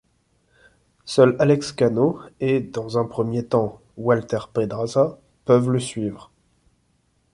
Seuls Alex Cano et, dans un premier temps, Walter Pedraza peuvent le suivre.